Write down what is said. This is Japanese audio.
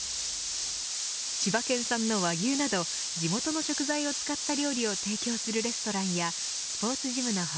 千葉県産の和牛など地元の食材を使った料理を提供するレストランやスポーツジムの他